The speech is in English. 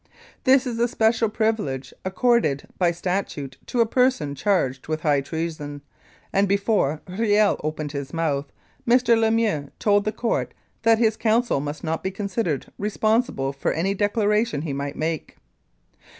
This is a special privilege accorded by statute to a person charged with high treason, and before Riel opened his mouth, Mr. Lemieux told the Court that his counsel must not be considered responsible for any declaration he might make.